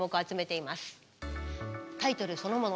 タイトルそのもの